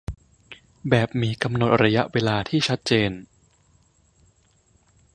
แบบมีกำหนดระยะเวลาที่ชัดเจน